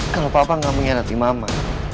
kalau papa nggak mengkhianati mama